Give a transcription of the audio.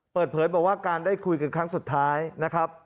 เปิดเผยบอกว่าการได้คุยกันครั้งสุดท้ายนะครับ